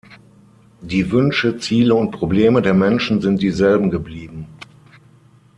Die Wünsche, Ziele und Probleme der Menschen sind dieselben geblieben.